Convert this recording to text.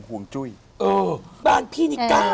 ห่วงจุ้ยเออบ้านพี่นี่๙